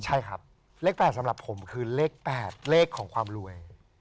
ใช่ครับเลข๘สำหรับผมคือเลข๘เลขของความรวย